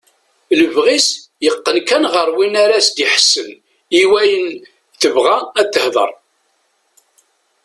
Lebɣi-s yeqqen kan ɣer win ara as-d-iḥessen i wayen tebɣa ad tehder.